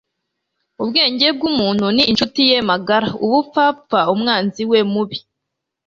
ubwenge bw'umuntu ni inshuti ye magara; ubupfapfa umwanzi we mubi